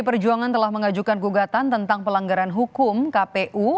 pdi perjuangan telah mengajukan gugatan tentang pelanggaran hukum kpu